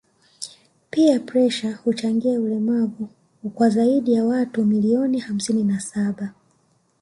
pia presha huchangia ulemavu kwa zaidi ya watu milioni hamsini na saba